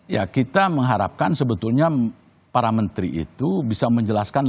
ya kita mengharapkan sebetulnya para menteri itu bisa menjelaskan